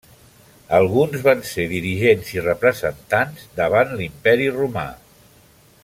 Alguns van ser dirigents i representants davant l'Imperi romà.